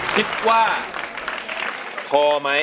คิดว่าพอไหม